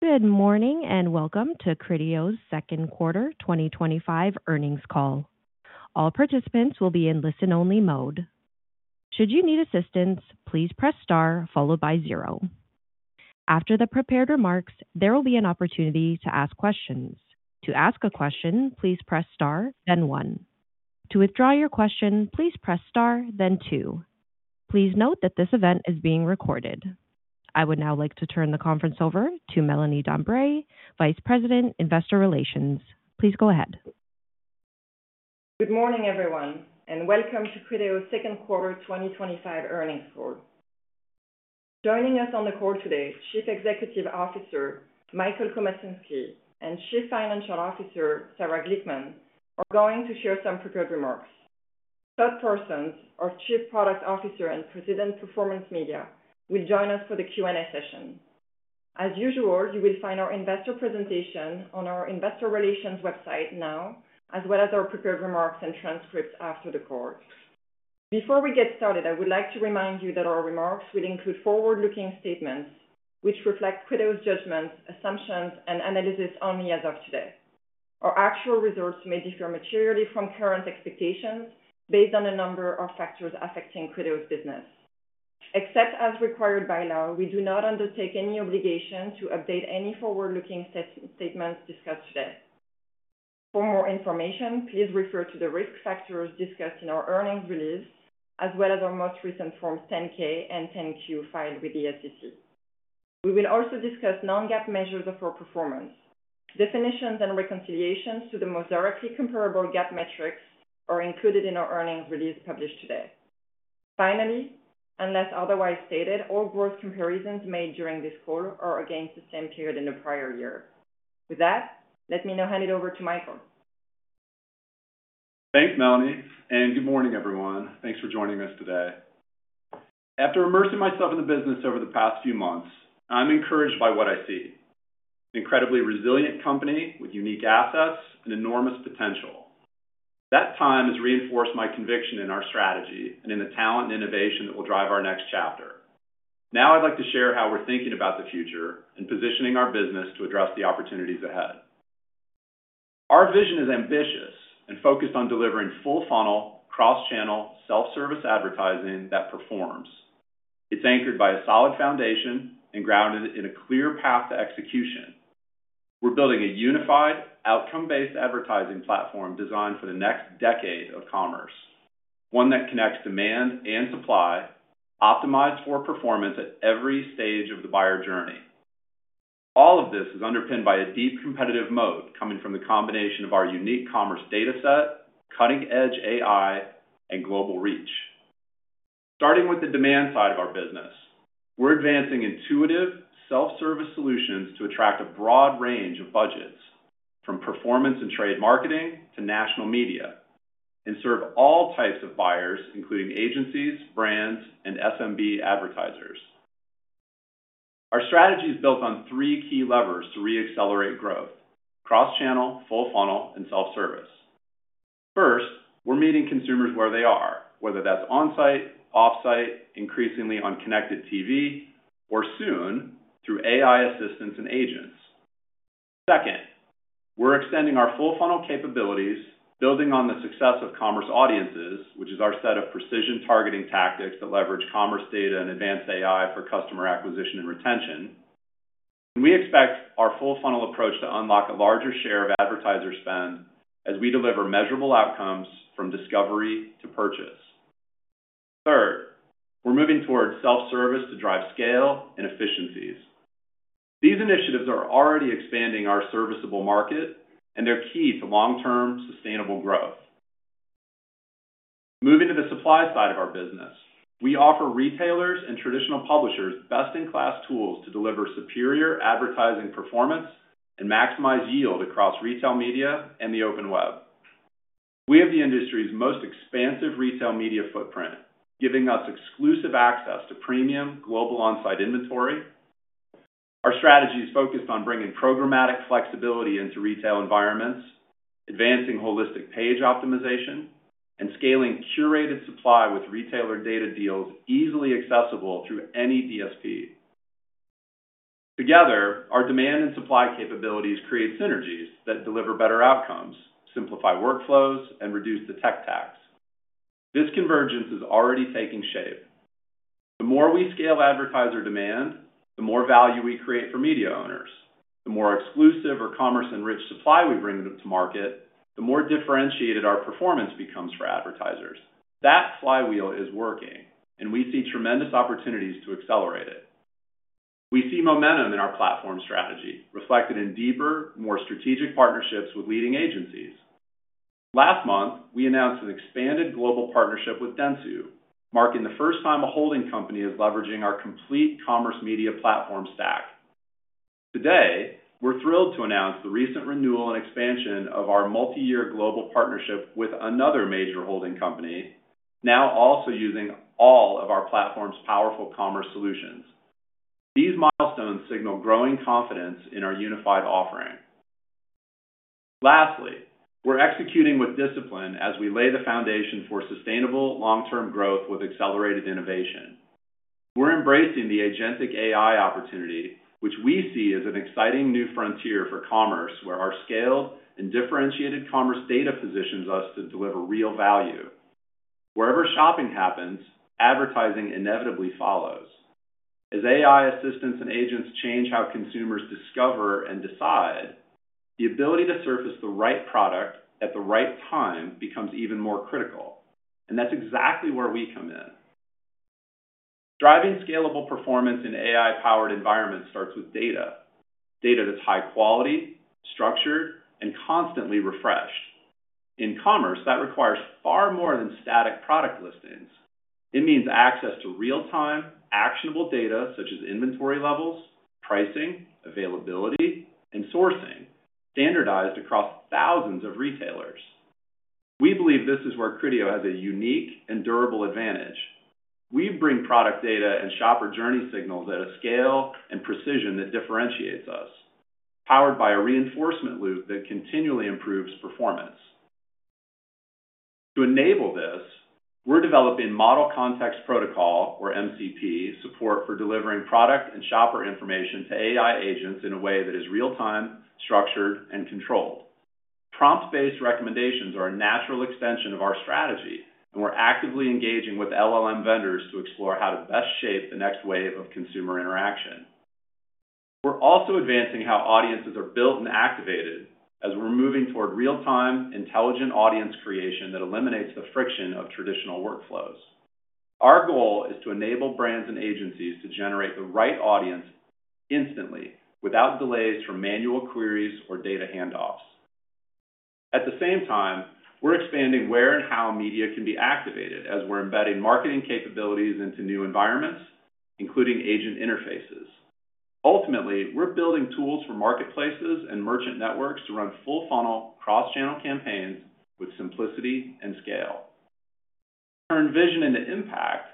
Good morning and welcome to Criteo's second quarter 2025 earnings call. All participants will be in listen-only mode. Should you need assistance, please press star followed by zero. After the prepared remarks, there will be an opportunity to ask questions. To ask a question, please press star, then one. To withdraw your question, please press star, then two. Please note that this event is being recorded. I would now like to turn the conference over to Melanie Dambre, Vice President, Investor Relations. Please go ahead. Good morning, everyone, and welcome to Criteo's second quarter 2025 earnings call. Joining us on the call today, Chief Executive Officer Michael Komasinski and Chief Financial Officer Sarah Glickman are going to share some prepared remarks. Todd Parsons, our Chief Product Officer and President, Performance Media, will join us for the Q&A session. As usual, you will find our investor presentation on our Investor Relations website now, as well as our prepared remarks and transcripts after the call. Before we get started, I would like to remind you that our remarks will include forward-looking statements, which reflect Criteo's judgments, assumptions, and analysis only as of today. Our actual results may differ materially from current expectations based on a number of factors affecting Criteo's business. Except as required by law, we do not undertake any obligation to update any forward-looking statements discussed today. For more information, please refer to the risk factors discussed in our earnings release, as well as our most recent Forms 10-K and 10-Q filed with the SEC. We will also discuss non-GAAP measures of our performance. Definitions and reconciliations to the most directly comparable GAAP metrics are included in our earnings release published today. Finally, unless otherwise stated, all growth comparisons made during this call are against the same period in the prior year. With that, let me now hand it over to Michael. Thanks, Melanie, and good morning, everyone. Thanks for joining us today. After immersing myself in the business over the past few months, I'm encouraged by what I see: an incredibly resilient company with unique assets and enormous potential. That time has reinforced my conviction in our strategy and in the talent and innovation that will drive our next chapter. Now I'd like to share how we're thinking about the future and positioning our business to address the opportunities ahead. Our vision is ambitious and focused on delivering Full-Funnel, Cross-Channel, self-service advertising that performs. It's anchored by a solid foundation and grounded in a clear path to execution. We're building a unified, outcome-based advertising platform designed for the next decade of commerce, one that connects demand and supply, optimized for performance at every stage of the buyer journey. All of this is underpinned by a deep competitive moat coming from the combination of our unique commerce data set, cutting-edge AI, and global reach. Starting with the demand side of our business, we're advancing intuitive, self-service solutions to attract a broad range of budgets, from performance and trade marketing to national media, and serve all types of buyers, including agencies, brands, and SMB advertisers. Our strategy is built on three key levers to re-accelerate growth: Cross-Channel, Full-Funnel, and self-service. First, we're meeting consumers where they are, whether that's on-site, off-site, increasingly on connected TV, or soon through AI assistants and agents. Second, we're extending our Full-Funnel capabilities, building on the success of Commerce Audiences, which is our set of precision targeting tactics that leverage commerce data and advanced AI for customer acquisition and retention. We expect our Full-Funnel approach to unlock a larger share of advertiser spend as we deliver measurable outcomes from discovery to purchase. Third, we're moving towards self-service to drive scale and efficiencies. These initiatives are already expanding our serviceable market, and they're key to long-term, sustainable growth. Moving to the supply side of our business, we offer retailers and traditional publishers best-in-class tools to deliver superior advertising performance and maximize yield across Retail Media and the open web. We have the industry's most expansive Retail Media footprint, giving us exclusive access to premium, global on-site inventory. Our strategy is focused on bringing programmatic flexibility into retail environments, advancing holistic page optimization, and scaling curated supply with retailer data deals easily accessible through any DSP. Together, our demand and supply capabilities create synergies that deliver better outcomes, simplify workflows, and reduce the tech tax. This convergence is already taking shape. The more we scale advertiser demand, the more value we create for media owners. The more exclusive or commerce-enriched supply we bring to market, the more differentiated our performance becomes for advertisers. That flywheel is working, and we see tremendous opportunities to accelerate it. We see momentum in our platform strategy, reflected in deeper, more strategic partnerships with leading agencies. Last month, we announced an expanded global partnership with Dentsu, marking the first time a holding company is leveraging our complete Commerce Media Platform stack. Today, we're thrilled to announce the recent renewal and expansion of our multi-year global partnership with another major holding company, now also using all of our platform's powerful commerce solutions. These milestones signal growing confidence in our unified offering. Lastly, we're executing with discipline as we lay the foundation for sustainable, long-term growth with accelerated innovation. We're embracing the Agentic AI opportunity, which we see as an exciting new frontier for commerce, where our scaled and differentiated commerce data positions us to deliver real value. Wherever shopping happens, advertising inevitably follows. As AI assistants and agents change how consumers discover and decide, the ability to surface the right product at the right time becomes even more critical. That is exactly where we come in. Driving scalable performance in AI-powered environments starts with data. Data that's high quality, structured, and constantly refreshed. In commerce, that requires far more than static product listings. It means access to real-time, actionable data such as inventory levels, pricing, availability, and sourcing, standardized across thousands of retailers. We believe this is where Criteo has a unique and durable advantage. We bring product data and shopper journey signals at a scale and precision that differentiates us, powered by a reinforcement loop that continually improves performance. To enable this, we're developing Model Context Protocol, or MCP, support for delivering product and shopper information to AI agents in a way that is real-time, structured, and controlled. Prompt-based recommendations are a natural extension of our strategy, and we're actively engaging with LLM vendors to explore how to best shape the next wave of consumer interaction. We're also advancing how audiences are built and activated as we're moving toward real-time, intelligent audience creation that eliminates the friction of traditional workflows. Our goal is to enable brands and agencies to generate the right audience instantly, without delays from manual queries or data handoffs. At the same time, we're expanding where and how media can be activated as we're embedding marketing capabilities into new environments, including agent interfaces. Ultimately, we're building tools for marketplaces and merchant networks to run Full-Funnel, Cross-Channel campaigns with simplicity and scale. To turn vision into impact,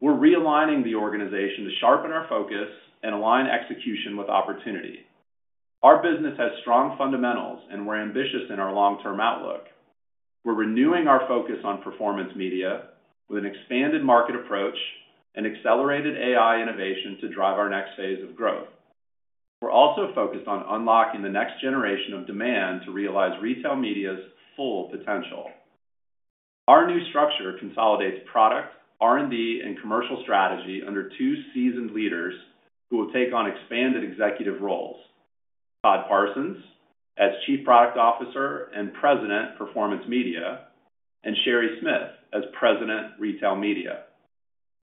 we're realigning the organization to sharpen our focus and align execution with opportunity. Our business has strong fundamentals, and we're ambitious in our long-term outlook. We're renewing our focus on Performance Media with an expanded market approach and accelerated AI innovation to drive our next phase of growth. We're also focused on unlocking the next generation of demand to realize Retail Media's full potential. Our new structure consolidates product, R&D, and commercial strategy under two seasoned leaders who will take on expanded executive roles: Todd Parsons as Chief Product Officer and President, Performance Media, and Sherry Smith as President, Retail Media.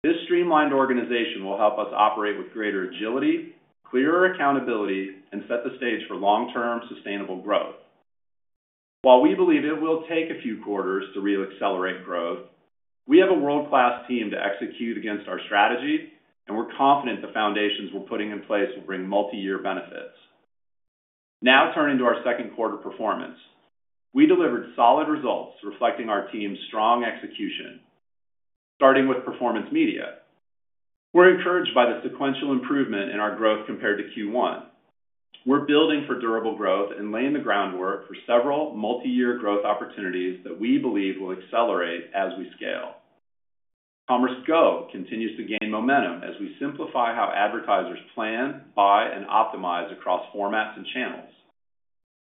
This streamlined organization will help us operate with greater agility, clearer accountability, and set the stage for long-term, sustainable growth. While we believe it will take a few quarters to re-accelerate growth, we have a world-class team to execute against our strategy, and we're confident the foundations we're putting in place will bring multi-year benefits. Now turning to our second quarter performance, we delivered solid results reflecting our team's strong execution. Starting with Performance Media, we're encouraged by the sequential improvement in our growth compared to Q1. We're building for durable growth and laying the groundwork for several multi-year growth opportunities that we believe will accelerate as we scale. Commerce Go continues to gain momentum as we simplify how advertisers plan, buy, and optimize across formats and channels.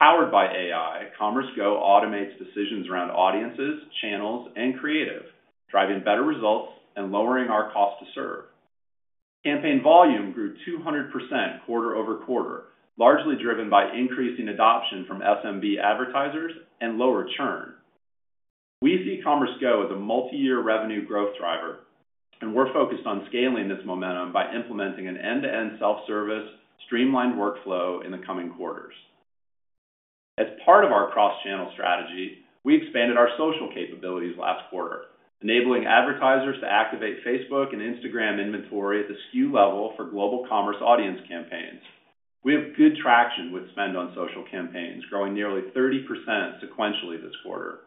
Powered by AI, Commerce Go automates decisions around audiences, channels, and creative, driving better results and lowering our cost to serve. Campaign volume grew 200% quarter over quarter, largely driven by increasing adoption from SMB advertisers and lower churn. We see Commerce Go as a multi-year revenue growth driver, and we're focused on scaling this momentum by implementing an end-to-end self-service, streamlined workflow in the coming quarters. As part of our Cross-Channel strategy, we expanded our social capabilities last quarter, enabling advertisers to activate Facebook and Instagram inventory at the SKU level for global commerce audience campaigns. We have good traction with spend on social campaigns, growing nearly 30% sequentially this quarter.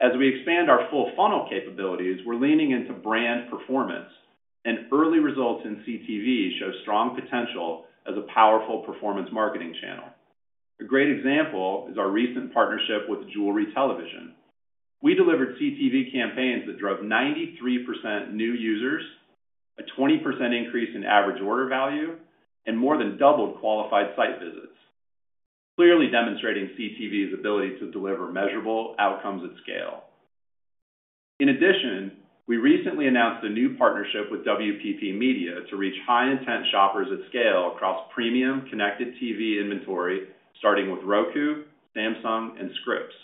As we expand our Full-Funnel capabilities, we're leaning into brand performance, and early results in CTV show strong potential as a powerful performance marketing channel. A great example is our recent partnership with Jewelry Television. We delivered CTV campaigns that drove 93% new users, a 20% increase in average order value, and more than doubled qualified site visits, clearly demonstrating CTV's ability to deliver measurable outcomes at scale. In addition, we recently announced a new partnership with WPP Media to reach high-intent shoppers at scale across premium connected TV inventory, starting with Roku, Samsung, and Scripps.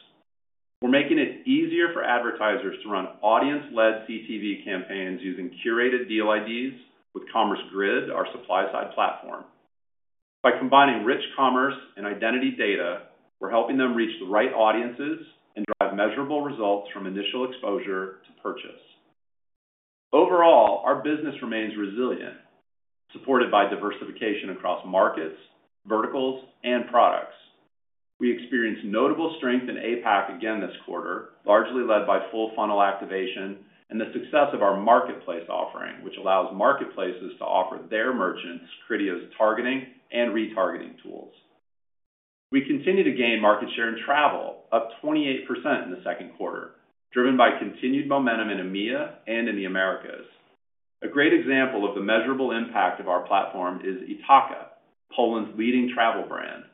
We're making it easier for advertisers to run audience-led CTV campaigns using curated deal IDs with Commerce Grid, our supply-side platform. By combining rich commerce and identity data, we're helping them reach the right audiences and drive measurable results from initial exposure to purchase. Overall, our business remains resilient, supported by diversification across markets, verticals, and products. We experienced notable strength in APAC again this quarter, largely led by Full-Funnel activation and the success of our marketplace offering, which allows marketplaces to offer their merchants Criteo's targeting and retargeting tools. We continue to gain market share in travel, up 28% in the second quarter, driven by continued momentum in EMEA and in the Americas. A great example of the measurable impact of our platform is Itaka, Poland's leading travel brand.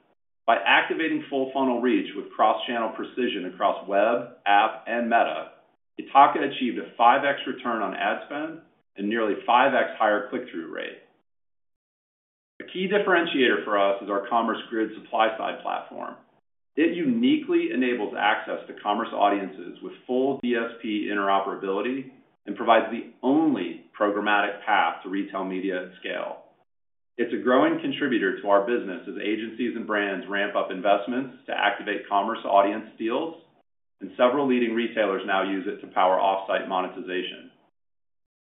By activating Full-Funnel reach with Cross-Channel precision across web, app, and Meta, Itaka achieved a 5x return on ad spend and nearly a 5x higher click-through rate. A key differentiator for us is our Commerce Grid supply-side platform. It uniquely enables access to Commerce Audiences with full DSP interoperability and provides the only programmatic path to Retail Media at scale. It is a growing contributor to our business as agencies and brands ramp up investments to activate commerce audience deals, and several leading retailers now use it to power offsite monetization.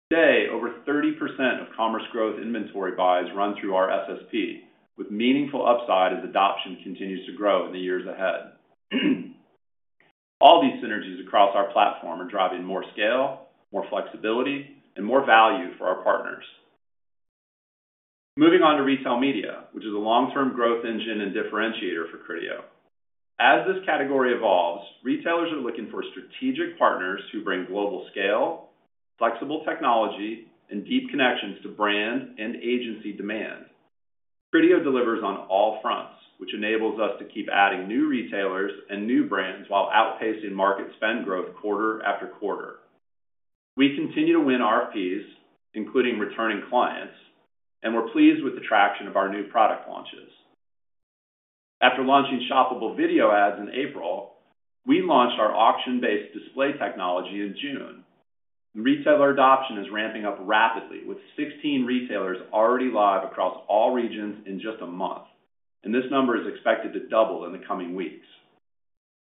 Today, over 30% of Commerce Growth inventory buys run through our SSP, with meaningful upside as adoption continues to grow in the years ahead. All these synergies across our platform are driving more scale, more flexibility, and more value for our partners. Moving on to Retail Media, which is a long-term growth engine and differentiator for Criteo. As this category evolves, retailers are looking for strategic partners who bring global scale, flexible technology, and deep connections to brand and agency demand. Criteo delivers on all fronts, which enables us to keep adding new retailers and new brands while outpacing market spend growth quarter after quarter. We continue to win RFPs, including returning clients, and we're pleased with the traction of our new product launches. After launching Shoppable Video Ads in April, we launched our Auction-Based Display technology in June. Retailer adoption is ramping up rapidly, with 16 retailers already live across all regions in just a month, and this number is expected to double in the coming weeks.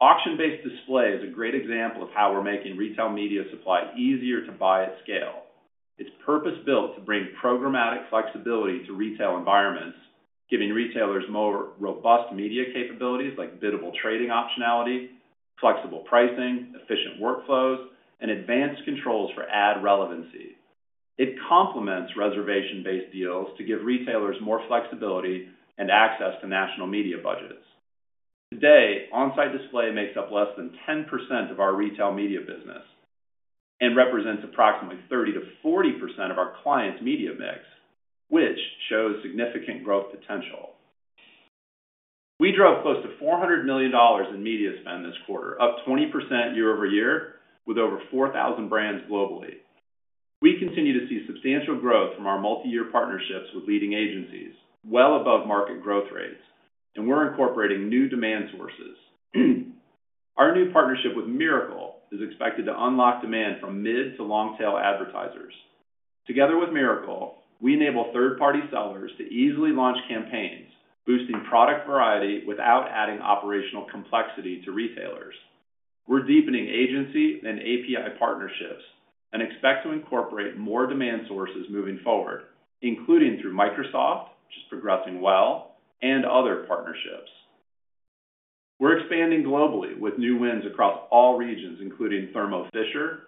Auction-Based Display is a great example of how we're making Retail Media supply easier to buy at scale. It is purpose-built to bring programmatic flexibility to retail environments, giving retailers more robust media capabilities like biddable trading optionality, flexible pricing, efficient workflows, and advanced controls for ad relevancy. It complements reservation-based deals to give retailers more flexibility and access to national media budgets. Today, onsite display makes up less than 10% of our Retail Media business and represents approximately 30% to 40% of our clients' media mix, which shows significant growth potential. We drove close to $400 million in media spend this quarter, up 20% year-over-year, with over 4,000 brands globally. We continue to see substantial growth from our multi-year partnerships with leading agencies, well above market growth rates, and we're incorporating new demand sources. Our new partnership with Mirakl is expected to unlock demand from mid to long-tail advertisers. Together with Mirakl, we enable third-party sellers to easily launch campaigns, boosting product variety without adding operational complexity to retailers. We're deepening agency and API partnerships and expect to incorporate more demand sources moving forward, including through Microsoft, which is progressing well, and other partnerships. We're expanding globally with new wins across all regions, including Thermo Fisher,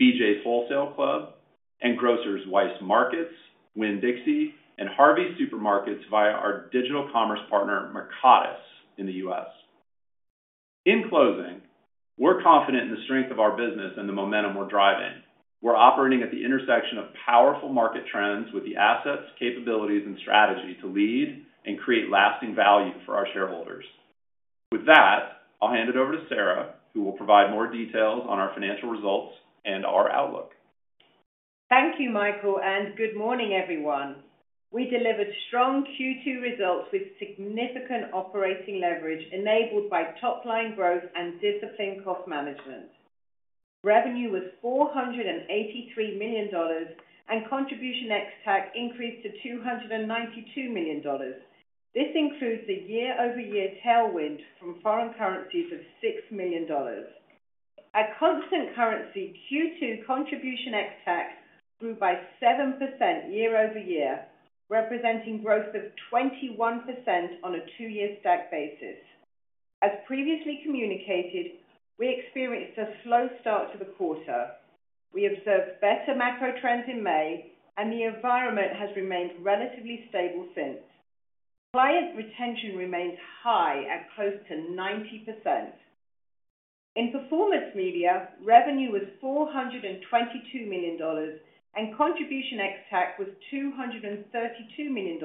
BJ's Wholesale Club, and grocers Weis Markets, Winn-Dixie, and Harveys Supermarkets via our digital commerce partner, Mercatus, in the U.S. In closing, we're confident in the strength of our business and the momentum we're driving. We're operating at the intersection of powerful market trends with the assets, capabilities, and strategy to lead and create lasting value for our shareholders. With that, I'll hand it over to Sarah, who will provide more details on our financial results and our outlook. Thank you, Michael, and good morning, everyone. We delivered strong Q2 results with significant operating leverage enabled by top-line growth and disciplined cost management. Revenue was $483 million, and Contribution ex-TAC increased to $292 million. This includes a year-over-year tailwind from foreign currencies of $6 million. At constant currency, Q2 Contribution ex-TAC grew by 7% year over year, representing growth of 21% on a two-year stack basis. As previously communicated, we experienced a slow start to the quarter. We observed better macro trends in May, and the environment has remained relatively stable since. Client retention remains high at close to 90%. In Performance Media, revenue was $422 million, and Contribution ex-TAC was $232 million,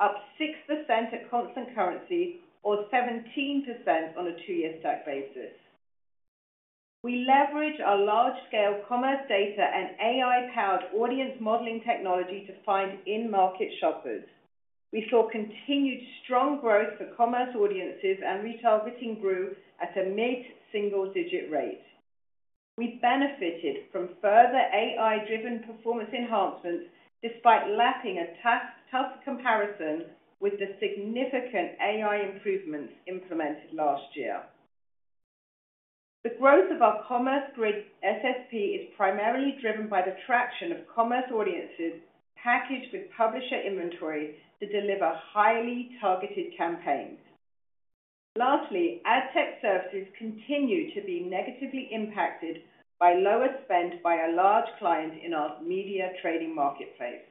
up 6% at constant currency or 17% on a two-year stack basis. We leveraged our large-scale commerce data and AI-powered audience modeling technology to find in-market shoppers. We saw continued strong growth for Commerce Audiences, and retargeting grew at a mid-single-digit rate. We benefited from further AI-driven performance enhancements despite lacking a tough comparison with the significant AI improvements implemented last year. The growth of our Commerce Grid SSP is primarily driven by the traction of Commerce Audiences packaged with publisher inventory to deliver highly targeted campaigns. Lastly, ad set services continue to be negatively impacted by lower spend by a large client in our media trading marketplace.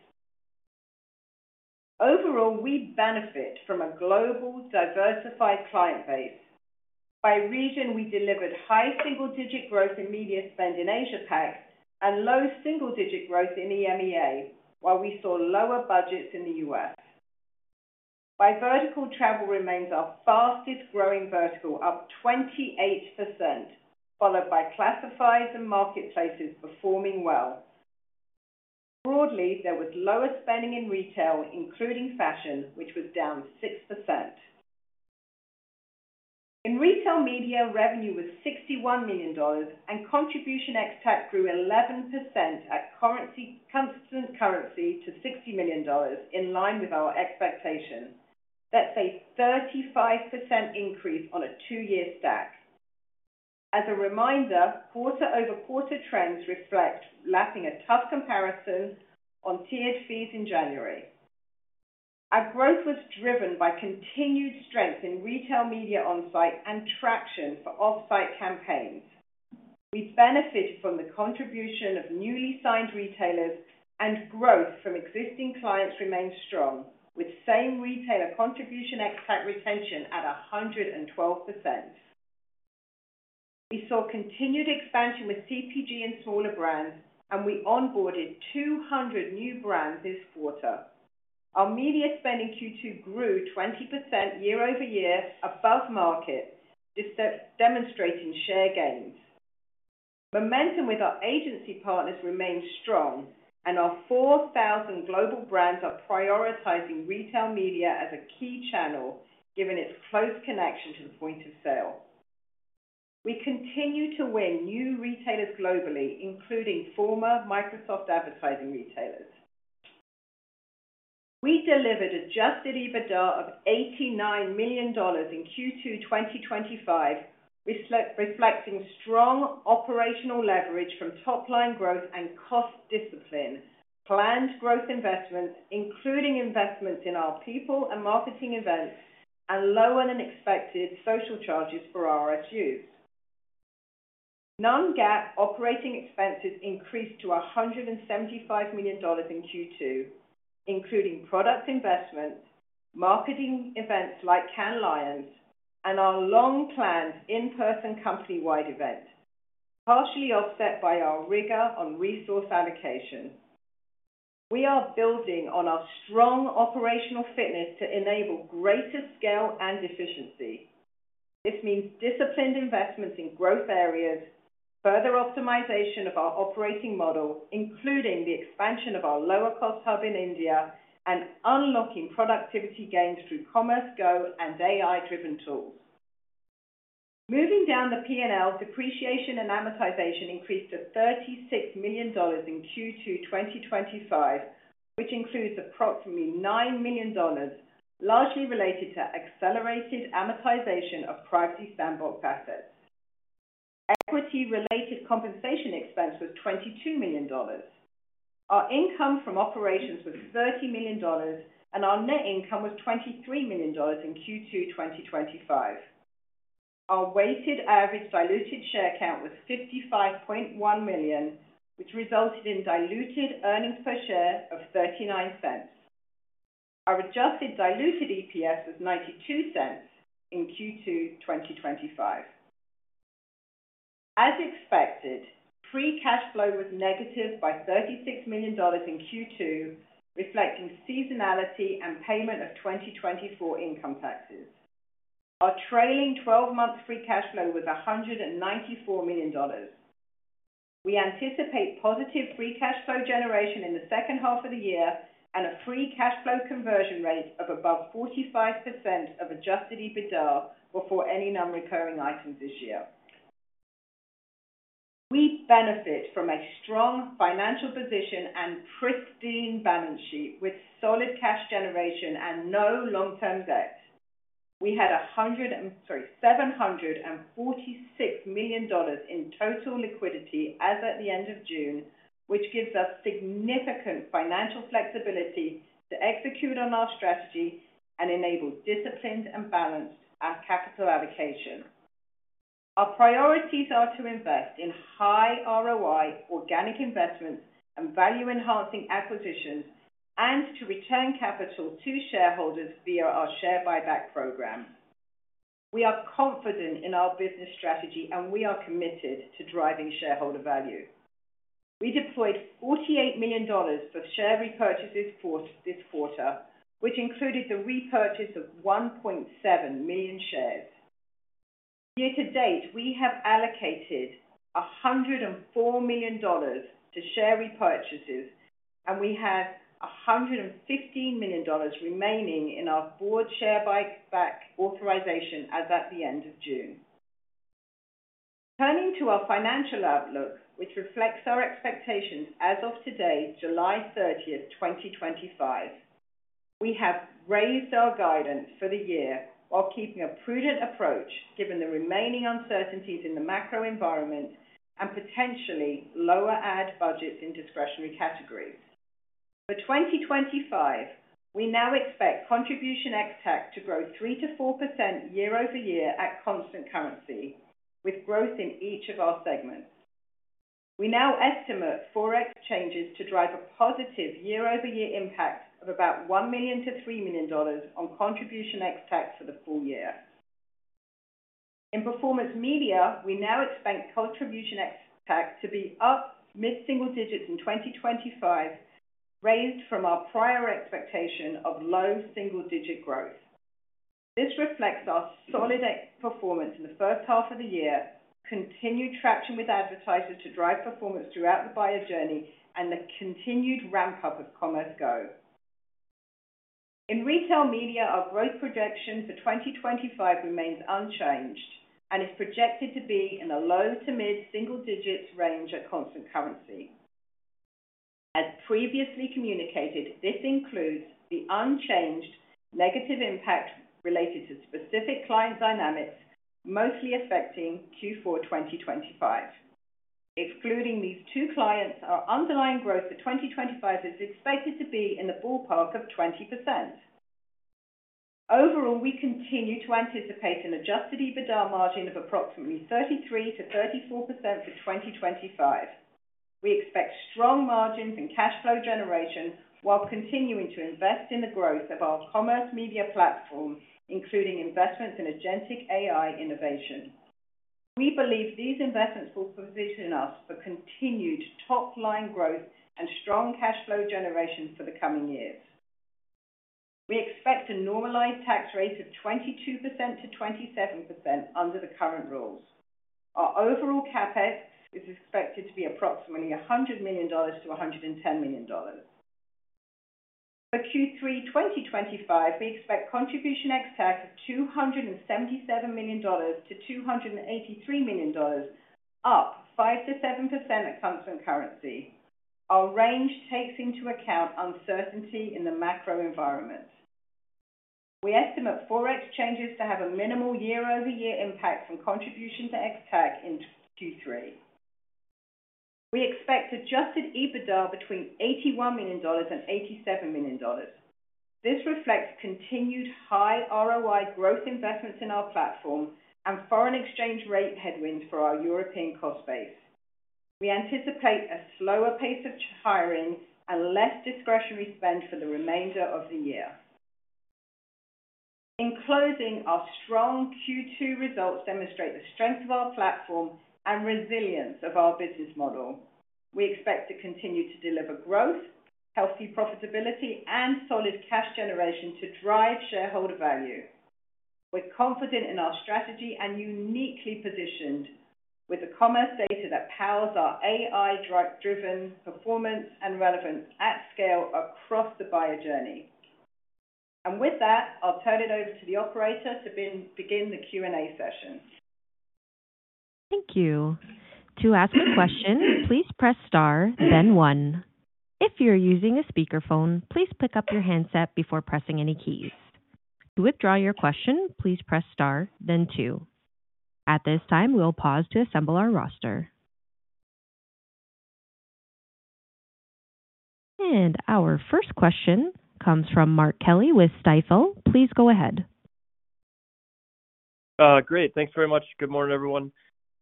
Overall, we benefit from a global, diversified client base. By region, we delivered high single-digit growth in media spend in APAC and low single-digit growth in EMEA, while we saw lower budgets in the U.S. By vertical, travel remains our fastest growing vertical, up 28%, followed by classifieds and marketplaces performing well. Broadly, there was lower spending in retail, including fashion, which was down 6%. In Retail Media, revenue was $61 million, and Contribution ex-TAC grew 11% at constant currency to $60 million, in line with our expectation. That's a 35% increase on a two-year stack. As a reminder, quarter-over-quarter trends reflect lacking a tough comparison on tiered fees in January. Our growth was driven by continued strength in Retail Media onsite and traction for offsite campaigns. We benefited from the contribution of newly signed retailers, and growth from existing clients remains strong, with same retailer Contribution ex-TAC retention at 112%. We saw continued expansion with CPG and smaller brands, and we onboarded 200 new brands this quarter. Our media spend in Q2 grew 20% year over year, above market, demonstrating share gains. Momentum with our agency partners remains strong, and our 4,000 global brands are prioritizing Retail Media as a key channel, given its close connection to the point of sale. We continue to win new retailers globally, including former Microsoft advertising retailers. We delivered Adjusted EBITDA of $89 million in Q2 2025, reflecting strong operational leverage from top-line growth and cost discipline, planned growth investment, including investments in our people and marketing event, and lower than expected social charges for RSUs. Non-GAAP operating expenses increased to $175 million in Q2, including product investment, marketing events like Cannes Lions, and our long-planned in-person company-wide event, partially offset by our rigor on resource allocation. We are building on our strong operational fitness to enable greater scale and efficiency. This means disciplined investments in growth areas, further optimization of our operating model, including the expansion of our lower-cost hub in India, and unlocking productivity gains through Commerce Go and AI-driven tools. Moving down the P&L, depreciation and amortization increased to $36 million in Q2 2025, which includes approximately $9 million, largely related to accelerated amortization of Privacy Sandbox processes. Equity-related compensation expense was $22 million. Our income from operations was $30 million, and our net income was $23 million in Q2 2025. Our weighted average diluted share count was 55.1 million, which resulted in diluted earnings per share of $0.39. Our adjusted diluted EPS was $0.92 in Q2 2025. As expected, free cash flow was negative by $36 million in Q2, reflecting seasonality and payment of 2024 income taxes. Our trailing 12-month free cash flow was $194 million. We anticipate positive free cash flow generation in the second half of the year and a free cash flow conversion rate of above 45% of Adjusted EBITDA before any non-recurring items this year. We benefit from a strong financial position and pristine balance sheet with solid cash generation and no long-term debt. We had $746 million in total liquidity as at the end of June, which gives us significant financial flexibility to execute on our strategy and enable discipline and balance our capital allocation. Our priorities are to invest in high ROI organic investments and value-enhancing acquisitions and to return capital to shareholders via our share buyback program. We are confident in our business strategy, and we are committed to driving shareholder value. We deployed $48 million for share repurchases for this quarter, which included the repurchase of 1.7 million shares. Year to date, we have allocated $104 million to share repurchases, and we have $115 million remaining in our board share buyback authorization as at the end of June. Turning to our financial outlook, which reflects our expectations as of today, July 30, 2025, we have raised our guidance for the year while keeping a prudent approach given the remaining uncertainties in the macro environment and potentially lower ad budgets in discretionary categories. For 2025, we now expect Contribution ex-TAC to grow 3% to 4% year-over-year at constant currency, with growth in each of our segments. We now estimate forex changes to drive a positive year-over-year impact of about $1 million to $3 million on Contribution ex-TAC for the full year. In Performance Media, we now expect Contribution ex-TAC to be up mid-single digits in 2025, raised from our prior expectation of low single-digit growth. This reflects our solid performance in the first half of the year, continued traction with advertisers to drive performance throughout the buyer journey, and the continued ramp-up of Commerce Go. In Retail Media, our growth projection for 2025 remains unchanged and is projected to be in a low to mid-single digits range at constant currency. As previously communicated, this includes the unchanged negative impact related to specific client dynamics, mostly affecting Q4 2025. Excluding these two clients, our underlying growth for 2025 is expected to be in the ballpark of 20%. Overall, we continue to anticipate an Adjusted EBITDA margin of approximately 33% to 34% for 2025. We expect strong margins and cash flow generation while continuing to invest in the growth of our Commerce Media Platform, including investments in Agentic AI innovation. We believe these investments will position us for continued top-line growth and strong cash flow generation for the coming years. We expect a normalized tax rate of 22% to 27% under the current rules. Our overall CapEx is expected to be approximately $100 million to $110 million. For Q3 2025, we expect Contribution ex-TAC of $277 million to $283 million, up 5% to 7% at constant currency. Our range takes into account uncertainty in the macro environment. We estimate forex changes to have a minimal year-over-year impact from Contribution ex-TAC in Q3. We expect Adjusted EBITDA between $81 million and $87 million. This reflects continued high ROI growth investments in our platform and foreign exchange rate headwinds for our European cost base. We anticipate a slower pace of hiring and less discretionary spend for the remainder of the year. In closing, our strong Q2 results demonstrate the strength of our platform and resilience of our business model. We expect to continue to deliver growth, healthy profitability, and solid cash generation to drive shareholder value. We're confident in our strategy and uniquely positioned with commerce data that powers our AI-driven performance and relevance at scale across the buyer journey. With that, I'll turn it over to the operator to begin the Q&A session. Thank you. To ask a question, please press star, then one. If you're using a speakerphone, please pick up your handset before pressing any keys. To withdraw your question, please press star, then two. At this time, we'll pause to assemble our roster. Our first question comes from Mark Kelley with Stifel. Please go ahead. Great. Thanks very much. Good morning, everyone.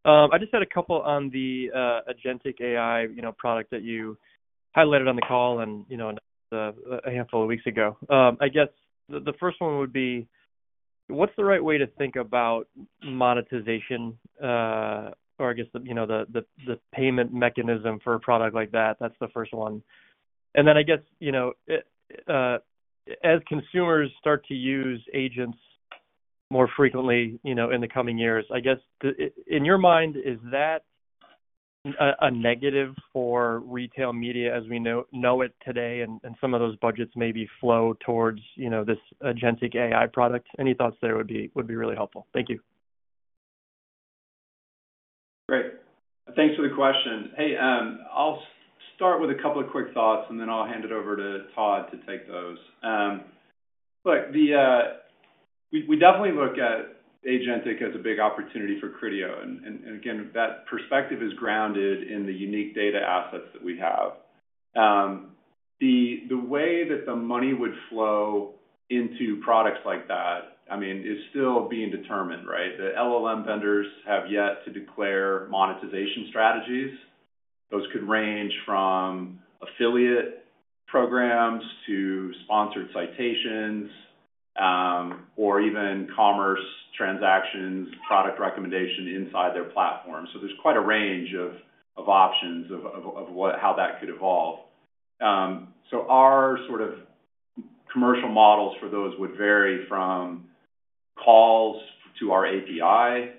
I just had a couple on the Agentic AI product that you highlighted on the call and a handful of weeks ago. The first one would be, what's the right way to think about monetization or, I guess, the payment mechanism for a product like that? That's the first one. As consumers start to use agents more frequently in the coming years, in your mind, is that a negative for Retail Media as we know it today? Some of those budgets maybe flow towards this Agentic AI product. Any thoughts there would be really helpful. Thank you. Great. Thanks for the question. Hey, I'll start with a couple of quick thoughts, and then I'll hand it over to Todd to take those. Look, we definitely look at Agentic AI as a big opportunity for Criteo. Again, that perspective is grounded in the unique data assets that we have. The way that the money would flow into products like that is still being determined, right? The LLM vendors have yet to declare monetization strategies. Those could range from affiliate programs to sponsored citations or even commerce transactions, product recommendation inside their platform. There is quite a range of options of how that could evolve. Our sort of commercial models for those would vary from calls to our API,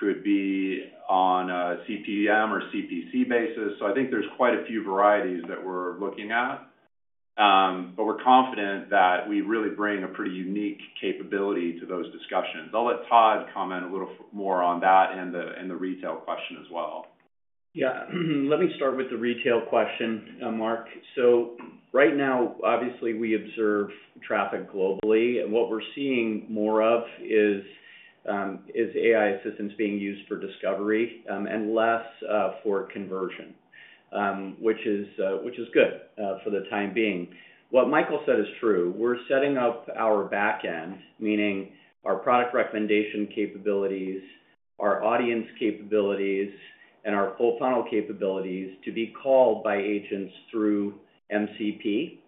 could be on a CPM or CPC basis. I think there's quite a few varieties that we're looking at. We're confident that we really bring a pretty unique capability to those discussions. I'll let Todd comment a little more on that and the retail question as well. Let me start with the retail question, Mark. Right now, obviously, we observe traffic globally. What we're seeing more of is AI assistants being used for discovery and less for conversion, which is good for the time being. What Michael said is true. We're setting up our backend, meaning our product recommendation capabilities, our audience capabilities, and our Full-Funnel capabilities to be called by agents through MCP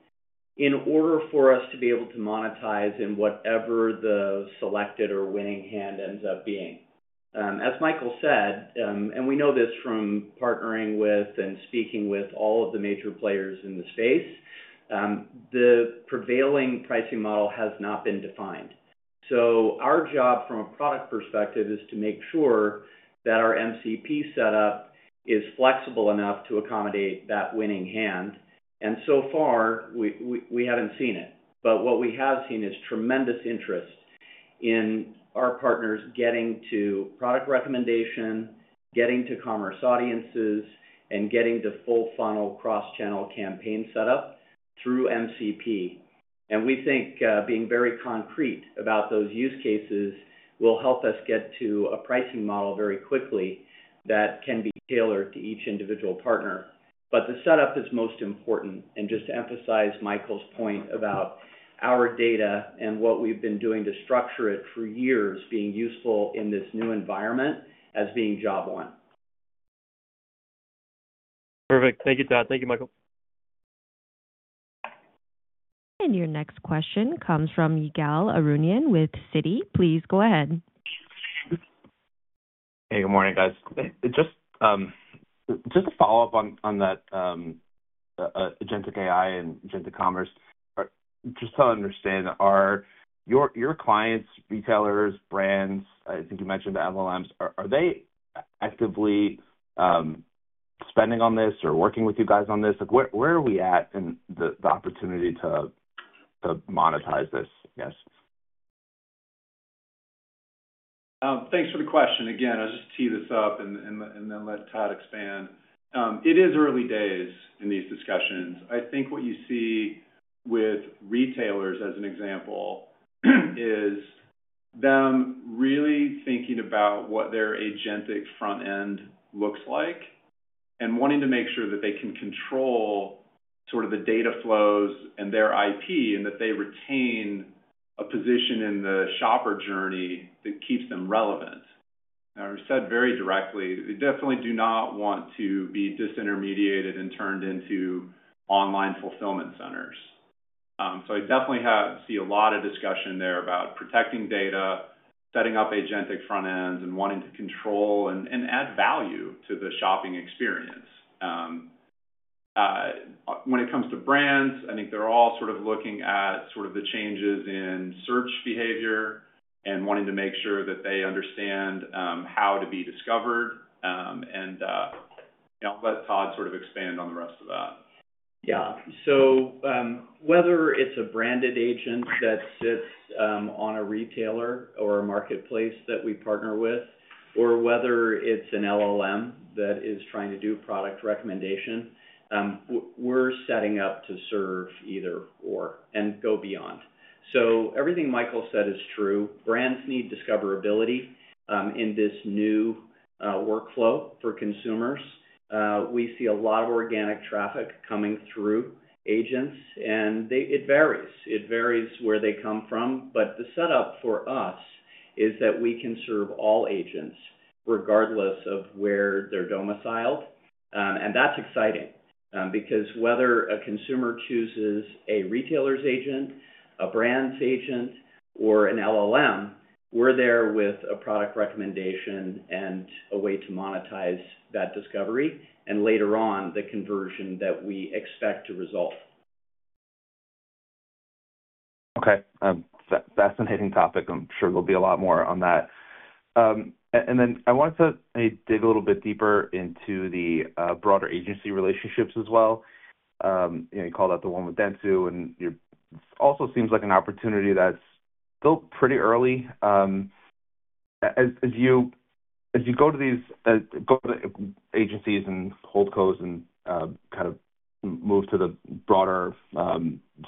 in order for us to be able to monetize in whatever the selected or winning hand ends up being. As Michael said, and we know this from partnering with and speaking with all of the major players in the space, the prevailing pricing model has not been defined. Our job from a product perspective is to make sure that our MCP setup is flexible enough to accommodate that winning hand. So far, we haven't seen it. What we have seen is tremendous interest in our partners getting to product recommendation, getting to Commerce Audiences, and getting to Full-Funnel Cross-Channel campaign setup through MCP. We think being very concrete about those use cases will help us get to a pricing model very quickly that can be tailored to each individual partner. The setup is most important. Just to emphasize Michael's point about our data and what we've been doing to structure it for years being useful in this new environment as being job one. Perfect. Thank you, Todd. Thank you, Michael. Your next question comes from Ygal Arounian with Citi. Please go ahead. Hey, good morning, guys. Just to follow up on that Agentic AI and Agentic Commerce, just to understand, are your clients, retailers, brands, I think you mentioned the LLMs, are they actively spending on this or working with you guys on this? Where are we at in the opportunity to monetize this? Yes. Thanks for the question. I'll just tee this up and then let Todd expand. It is early days in these discussions. I think what you see with retailers as an example is them really thinking about what their Agentic front end looks like and wanting to make sure that they can control the data flows and their IP and that they retain a position in the shopper journey that keeps them relevant. I've said very directly, we definitely do not want to be disintermediated and turned into online fulfillment centers. I definitely see a lot of discussion there about protecting data, setting up Agentic front ends, and wanting to control and add value to the shopping experience. When it comes to brands, I think they're all looking at the changes in search behavior and wanting to make sure that they understand how to be discovered. I'll let Todd expand on the rest of that. Yeah. Whether it's a branded agent that sits on a retailer or a marketplace that we partner with, or whether it's an LLM that is trying to do product recommendation, we're setting up to serve either/or and go beyond. Everything Michael said is true. Brands need discoverability in this new workflow for consumers. We see a lot of organic traffic coming through agents, and it varies. It varies where they come from. The setup for us is that we can serve all agents regardless of where they're domiciled. That's exciting because whether a consumer chooses a retailer's agent, a brand's agent, or an LLM, we're there with a product recommendation and a way to monetize that discovery and later on the conversion that we expect to resolve. Okay. That's a fascinating topic. I'm sure there'll be a lot more on that. I wanted to dig a little bit deeper into the broader agency relationships as well. You called out the one with Dentsu, and it also seems like an opportunity that's still pretty early. As you go to these agencies and hold codes and kind of move to the broader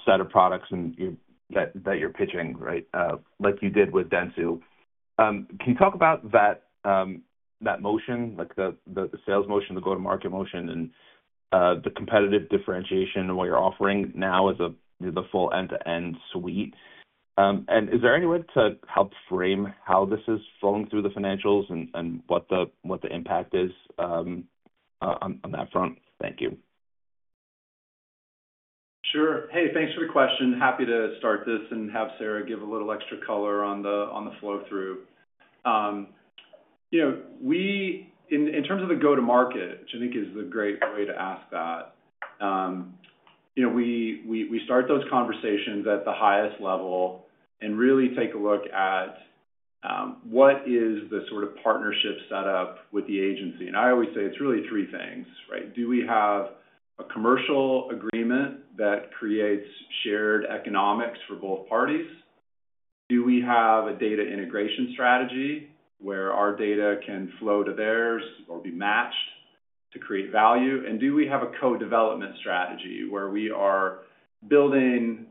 set of products that you're pitching, like you did with Dentsu, can you talk about that motion, like the sales motion, the go-to-market motion, and the competitive differentiation and what you're offering now as the full end-to-end suite? Is there any way to help frame how this is flowing through the financials and what the impact is on that front? Thank you. Sure. Hey, thanks for the question. Happy to start this and have Sarah give a little extra color on the flow-through. In terms of the go-to-market, which I think is a great way to ask that, we start those conversations at the highest level and really take a look at what is the sort of partnership setup with the agency. I always say it's really three things, right? Do we have a commercial agreement that creates shared economics for both parties? Do we have a data integration strategy where our data can flow to theirs? They'll be matched to create value. Do we have a co-development strategy where we are building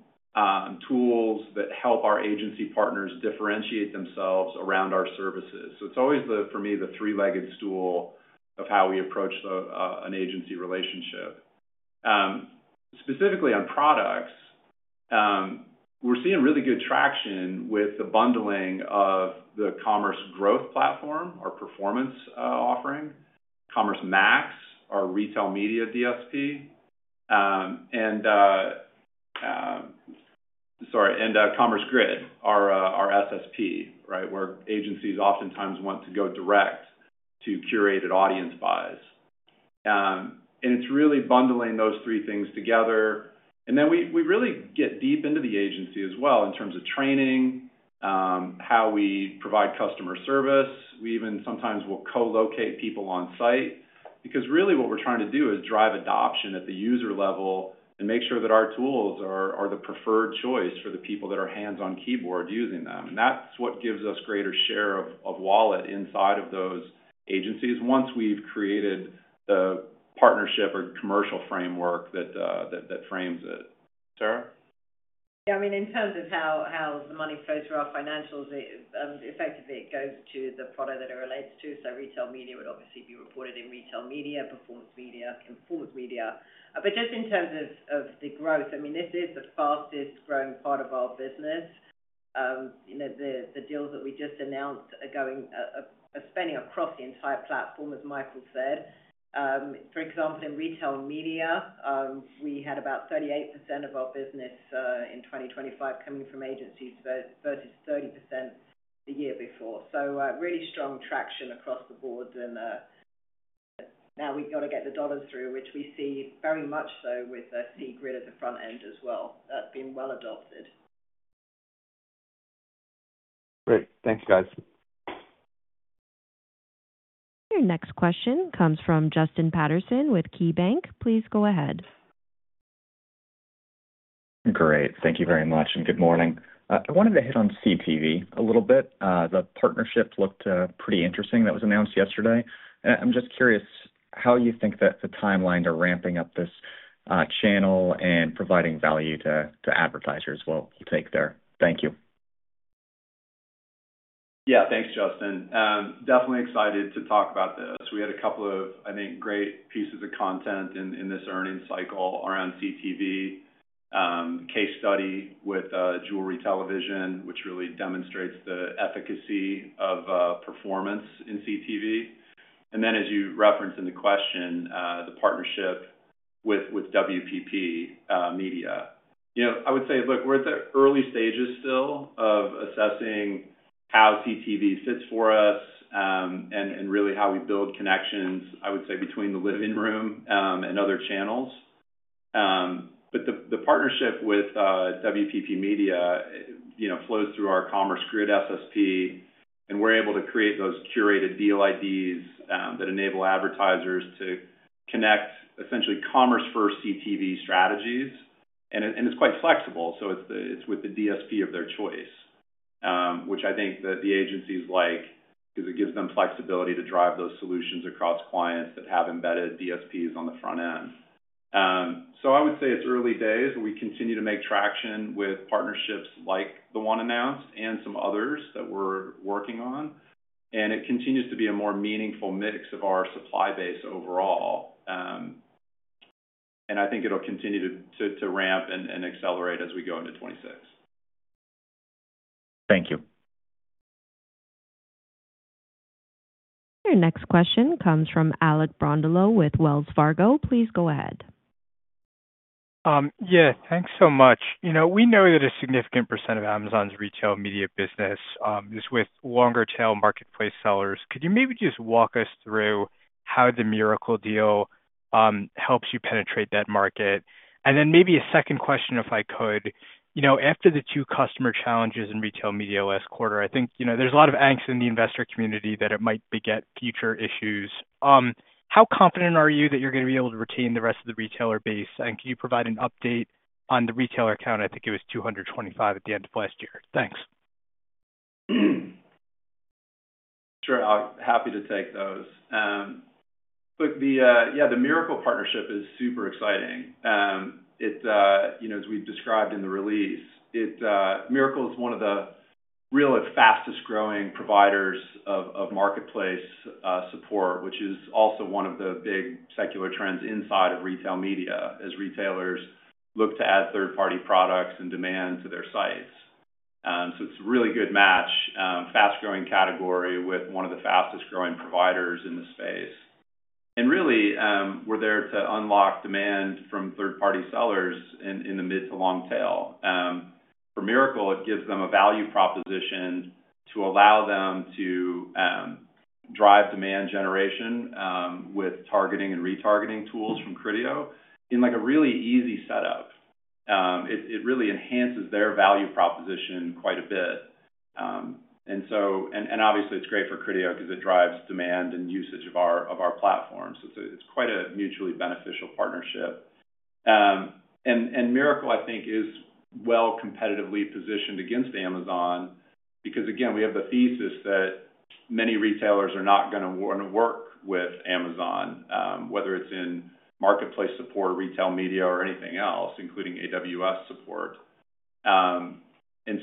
tools that help our agency partners differentiate themselves around our services? It's always, for me, the three-legged stool of how we approach an agency relationship. Specifically on products, we're seeing really good traction with the bundling of the Commerce Growth Platform, our performance offering, Commerce Max Retail Media DSP, and Commerce Grid SSP, right, where agencies oftentimes want to go direct to curated audience buys. It's really bundling those three things together. We really get deep into the agency as well in terms of training, how we provide customer service. We even sometimes will co-locate people on-site because really what we're trying to do is drive adoption at the user level and make sure that our tools are the preferred choice for the people that are hands-on keyboard using them. That's what gives us greater share of wallet inside of those agencies once we've created the partnership or commercial framework that frames it. Sarah? Yeah, I mean, in terms of how the money flows through our financials, effectively, it goes to the product that it relates to. Retail Media would obviously be reported in Retail Media, Performance Media, Performance Media. Just in terms of the growth, I mean, this is the fastest growing part of our business. The deals that we just announced are spending across the entire platform, as Michael said. For example, in Retail Media, we had about 38% of our business in 2025 coming from agencies versus 30% the year before. Really strong traction across the board. Now we've got to get the dollars through, which we see very much so with C Grid at the front end as well. That's been well adopted. Great. Thanks, guys. Your next question comes from Justin Patterson with KeyBanc. Please go ahead. Great. Thank you very much, and good morning. I wanted to hit on CTV a little bit. The partnership looked pretty interesting that was announced yesterday. I'm just curious how you think that's the timeline to ramping up this channel and providing value to advertisers. What do you take there? Thank you. Yeah, thanks, Justin. Definitely excited to talk about this. We had a couple of, I think, great pieces of content in this earnings cycle around CTV, case study with Jewelry Television, which really demonstrates the efficacy of performance in CTV. As you referenced in the question, the partnership with WPP Media. I would say, look, we're at the early stages still of assessing how CTV sits for us and really how we build connections, I would say, between the living room and other channels. The partnership with WPP Media flows through our Commerce Grid SSP, and we're able to create those curated deal IDs that enable advertisers to connect essentially commerce-first CTV strategies. It's quite flexible. It's with the DSP of their choice, which I think that the agencies like because it gives them flexibility to drive those solutions across clients that have embedded DSPs on the front end. I would say it's early days, but we continue to make traction with partnerships like the one announced and some others that we're working on. It continues to be a more meaningful mix of our supply base overall. I think it'll continue to ramp and accelerate as we go into 2026. Thank you. Your next question comes from Alec Brondolo with Wells Fargo. Please go ahead. Yeah, thanks so much. You know, we know that a significant percent of Amazon's Retail Media business is with longer-tail marketplace sellers. Could you maybe just walk us through how the Mirakl deal helps you penetrate that market? Maybe a second question, if I could. You know, after the two customer challenges in Retail Media last quarter, I think there's a lot of angst in the investor community that it might beget future issues. How confident are you that you're going to be able to retain the rest of the retailer base, and can you provide an update on the retailer count? I think it was 225 at the end of last year. Thanks. Sure. I'm happy to take those. The Mirakl partnership is super exciting. It's, you know, as we've described in the release, Mirakl is one of the really fastest growing providers of marketplace support, which is also one of the big secular trends inside of Retail Media as retailers look to add third-party products and demand to their sites. It's a really good match, fast-growing category with one of the fastest growing providers in the space. We're there to unlock demand from third-party sellers in the mid to long tail. For Mirakl, it gives them a value proposition to allow them to drive demand generation with targeting and retargeting tools from Criteo in a really easy setup. It really enhances their value proposition quite a bit. Obviously, it's great for Criteo because it drives demand and usage of our platform. It's quite a mutually beneficial partnership. Mirakl, I think, is well competitively positioned against Amazon because, again, we have the thesis that many retailers are not going to want to work with Amazon, whether it's in marketplace support, Retail Media, or anything else, including AWS support.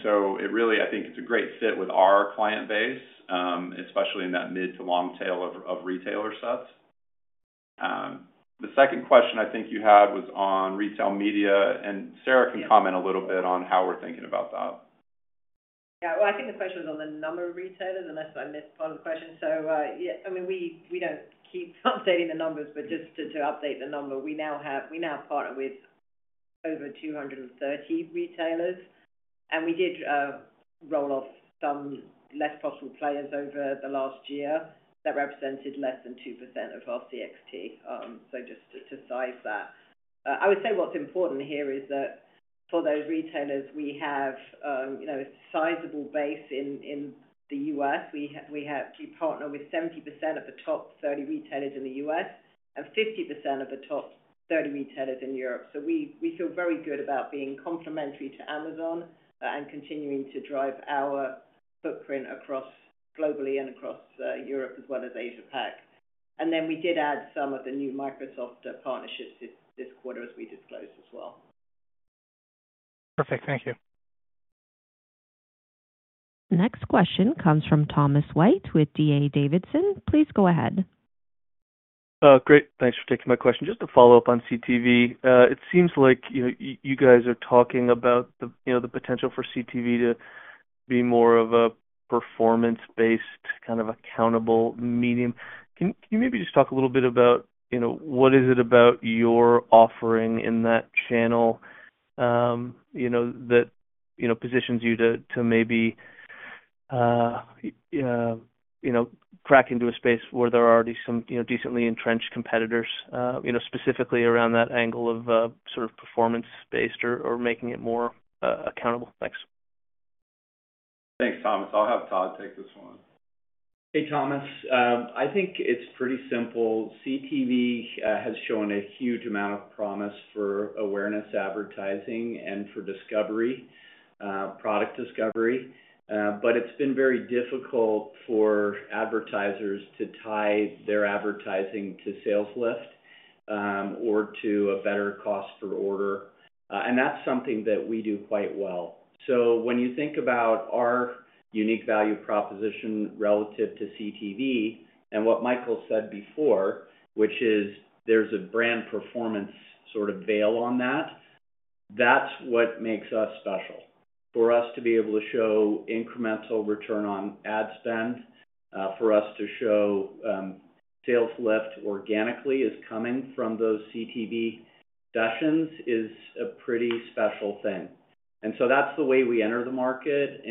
It really, I think, is a great fit with our client base, especially in that mid to long tail of retailer sets. The second question I think you had was on Retail Media, and Sarah can comment a little bit on how we're thinking about that. I think the question was on the number of retailers, and that's what I meant by the question. I mean, we don't keep updating the numbers, but just to update the number, we now partner with over 230 retailers. We did roll off some less profitable players over the last year that represented less than 2% of our CXT. Just to size that, I would say what's important here is that for those retailers, we have a sizable base in the U.S. We partner with 70% of the top 30 retailers in the U.S. and 50% of the top 30 retailers in Europe. We feel very good about being complementary to Amazon and continuing to drive our footprint globally and across Europe as well as APAC. We did add some of the new Microsoft partnerships this quarter as we disclosed as well. Perfect. Thank you. Next question comes from Thomas White with D.A. Davidson. Please go ahead. Great. Thanks for taking my question. Just to follow up on CTV, it seems like you guys are talking about the potential for CTV to be more of a performance-based kind of accountable medium. Can you maybe just talk a little bit about what is it about your offering in that channel that positions you to maybe crack into a space where there are already some decently entrenched competitors, specifically around that angle of sort of performance-based or making it more accountable? Thanks. Thanks, Thomas. I'll have Todd take this one. Hey, Thomas. I think it's pretty simple. CTV has shown a huge amount of promise for awareness advertising and for product discovery. It's been very difficult for advertisers to tie their advertising to sales lift or to a better cost per order. That's something that we do quite well. When you think about our unique value proposition relative to CTV and what Michael said before, which is there's a brand performance sort of veil on that, that's what makes us special. For us to be able to show incremental return on ad spend, for us to show sales lift organically is coming from those CTV sessions is a pretty special thing. That's the way we enter the market.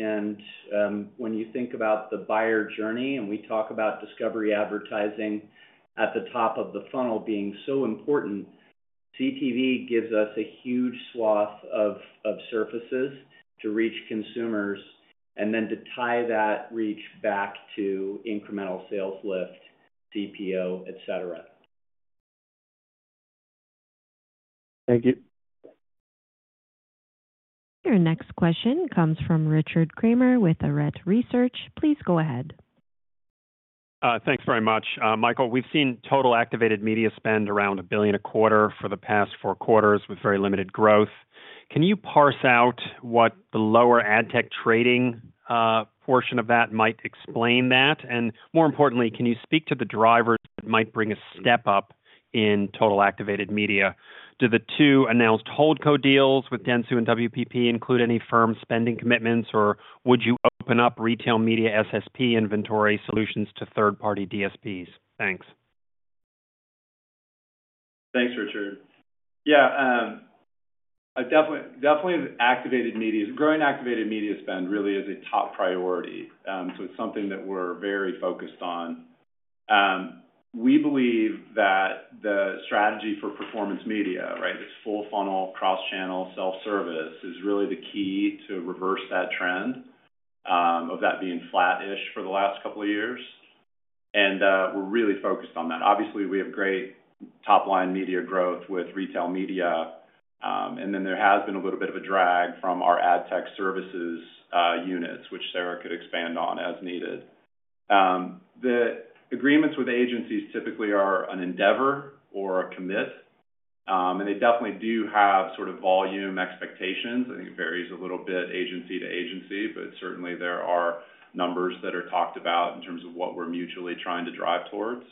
When you think about the buyer journey and we talk about discovery advertising at the top of the funnel being so important, CTV gives us a huge swath of surfaces to reach consumers and then to tie that reach back to incremental sales lift, CPO, etc. Thank you. Your next question comes from Richard Kramer with Arete Research. Please go ahead. Thanks very much, Michael. We've seen total activated media spend around $1 billion a quarter for the past four quarters with very limited growth. Can you parse out what the lower ad tech trading portion of that might explain that? More importantly, can you speak to the drivers that might bring a step up in total activated media? Do the two announced holdco deals with Dentsu and WPP include any firm spending commitments, or would you open up Retail Media SSP inventory solutions to third-party DSPs? Thanks. Thanks, Richard. Yeah, I definitely activated media. Growing activated media spend really is a top priority. It is something that we're very focused on. We believe that the strategy for Performance Media, right, this Full-Funnel Cross-Channel self-service is really the key to reverse that trend of that being flat-ish for the last couple of years. We're really focused on that. Obviously, we have great top-line media growth with Retail Media. There has been a little bit of a drag from our ad tech services units, which Sarah could expand on as needed. The agreements with agencies typically are an endeavor or a commit. They definitely do have sort of volume expectations. I think it varies a little bit agency to agency, but certainly there are numbers that are talked about in terms of what we're mutually trying to drive towards.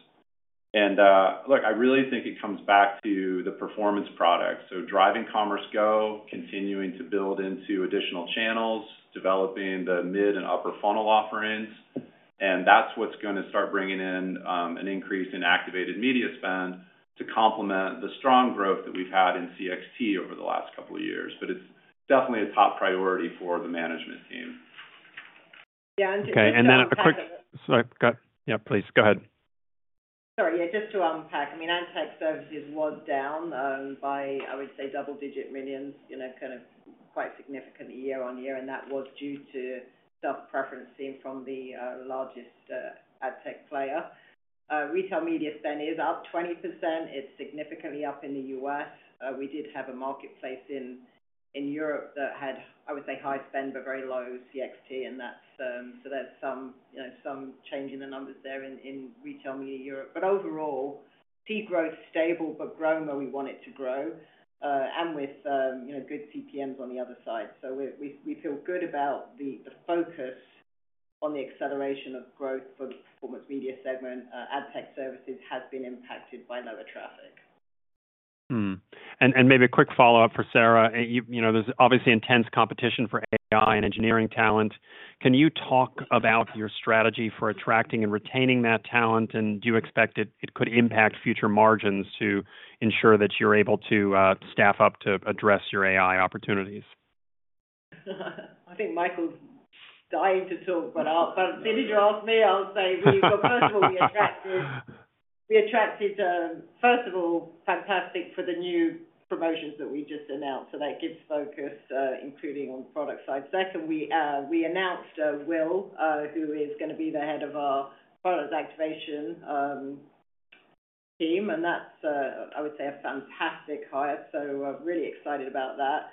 I really think it comes back to the performance product. Driving Commerce Go, continuing to build into additional channels, developing the mid and upper funnel offerings, that's what's going to start bringing in an increase in activated media spend to complement the strong growth that we've had in CXT over the last couple of years. It is definitely a top priority for the management team. Yeah, just to. Okay, a quick. Sorry, go ahead. Yeah, please go ahead. Sorry, yeah, just to unpack, I mean, ad tech services was down by, I would say, double-digit millions, you know, kind of quite significant year on year. That was due to stock preference seen from the largest ad tech player. Retail Media spend is up 20%. It's significantly up in the U.S. We did have a marketplace in Europe that had, I would say, high spend but very low CXT, and that's some change in the numbers there in Retail Media Europe. Overall, see growth stable but growing where we want it to grow and with good CPMs on the other side. We feel good about the focus on the acceleration of growth for the Performance Media segment. Ad tech services have been impacted by lower traffic. Maybe a quick follow-up for Sarah. There's obviously intense competition for AI and engineering talent. Can you talk about your strategy for attracting and retaining that talent? Do you expect it could impact future margins to ensure that you're able to staff up to address your AI opportunities? I think Michael's dying to talk, but if you need to ask me, I'll say, first of all, we attracted, first of all, fantastic for the new promotions that we just announced. That gives focus, including on the product side. Second, we announced Will, who is going to be the Head of our Product Activation team. That's, I would say, a fantastic hire. Really excited about that.